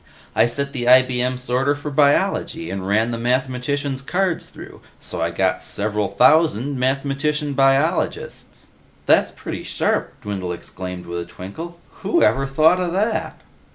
I set the IBM sorter for Biology, and ran the mathematicians' cards through. So I got several thousand mathematician biologists." "That's pretty sharp!" Dwindle exclaimed with a twinkle. "Whoever thought of that!"